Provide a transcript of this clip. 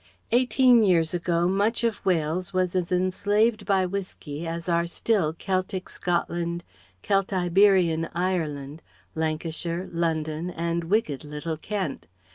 Eighteen years ago, much of Wales was as enslaved by whiskey as are still Keltic Scotland, Keltiberian Ireland, Lancashire, London and wicked little Kent.